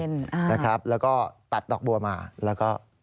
นะครับแล้วก็ตัดดอกบัวมาแล้วก็